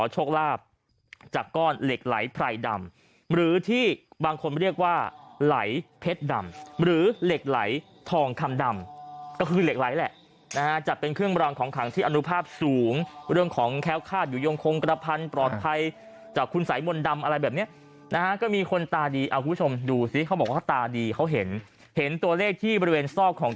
โชคลาภจากก้อนเหล็กไหลไพรดำหรือที่บางคนเรียกว่าไหลเพชรดำหรือเหล็กไหลทองคำดำก็คือเหล็กไหลแหละนะฮะจะเป็นเครื่องรางของขังที่อนุภาพสูงเรื่องของแค้วคาดอยู่ยงคงกระพันปลอดภัยจากคุณสายมนต์ดำอะไรแบบเนี้ยนะฮะก็มีคนตาดีเอาคุณผู้ชมดูซิเขาบอกว่าเขาตาดีเขาเห็นเห็นตัวเลขที่บริเวณซอกของ